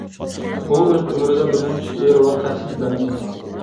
ئۇ ئۆز ئۆمرىدە بىرمۇنچە شېئىر ۋە قەسىدىلەرنى يازغان.